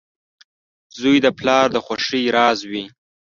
• زوی د پلار د خوښۍ راز وي.